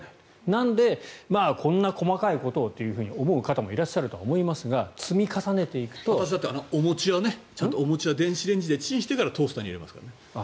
なのでこんな細かいことをと思う方もいらっしゃるとは思いますがお餅は電子レンジでチンしてからトースターに入れますから。